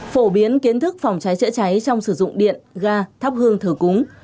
phổ biến kiến thức phòng cháy chữa cháy trong sử dụng điện ga thắp hương thờ cúng